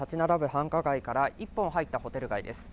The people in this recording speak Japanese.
繁華街から１本入ったホテル街です。